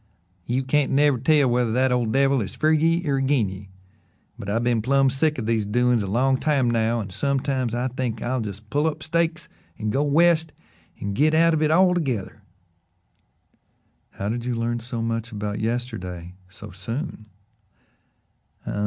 "You can't never tell whether that ole devil is fer ye or agin ye, but I've been plum' sick o' these doin's a long time now and sometimes I think I'll just pull up stakes and go West and git out of hit altogether." "How did you learn so much about yesterday so soon?"